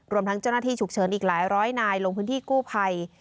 รวมทั้งเจ้าหน้าที่ฉุกเฉินอีกหลายร้อยนายลงพื้นที่กู้ภัย